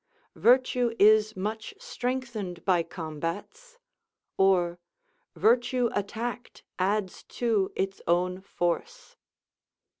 ["Virtue is much strengthened by combats." or: "Virtue attacked adds to its own force."